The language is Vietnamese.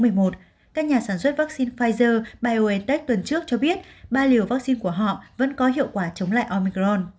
các nhà sản xuất vaccine pfizer biontech tuần trước cho biết ba liều vaccine của họ vẫn có hiệu quả chống lại omicron